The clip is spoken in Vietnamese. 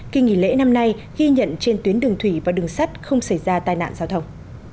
kỳ nghỉ lễ năm nay ghi nhận trên tuyến đường thủy và đường sắt không xảy ra tai nạn giao thông